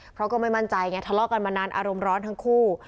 เพราะก็ไม่มั่นใจไงทะเลาะกันมานานอารมณ์ร้อนทั้งคู่